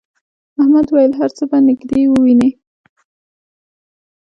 احمد وویل هر څه به نږدې ووینې.